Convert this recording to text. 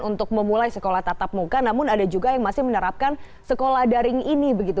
untuk memulai sekolah tatap muka namun ada juga yang masih menerapkan sekolah daring ini begitu